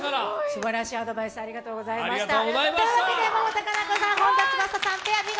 すばらしいアドバイスありがとうございました。